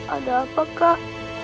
ada apa kak